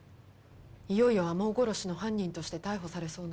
いよいよ天羽殺しの犯人として逮捕されそうなの。